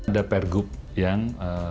ada pergub yang